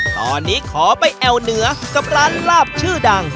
ตอนนี้ขอไปแอวเหนือกับร้านลาบชื่อดัง